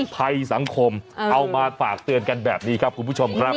ภัยสังคมเอามาฝากเตือนกันแบบนี้ครับคุณผู้ชมครับ